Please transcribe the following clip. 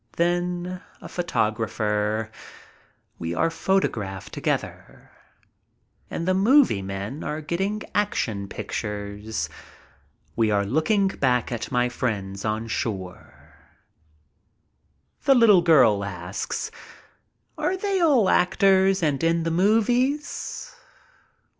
Then a photographer. We are photographed together. And the movie men are getting action pictures. We are looking back at my friends on shore. The little girl asks: "Are they all actors and in the movies?